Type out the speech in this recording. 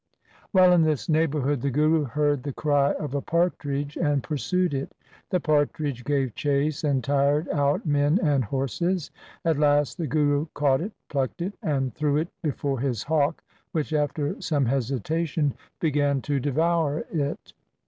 1 While in this neighbourhood the Guru heard the cry of a partridge and pursued it. The partridge gave chase and tired out men and horses. At last the Guru caught it, plucked it, and threw it before his hawk, which after some hesitation began to devour it.